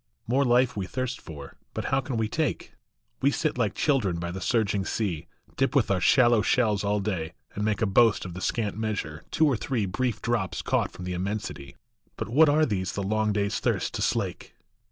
ORE life we thirst for, but how can we take ? We sit like children by the surging sea, Dip with our shallow shells all day, and make A boast of the scant measure, two or three Brief drops caught from the immensity ; But what are these the long day s thirst to slake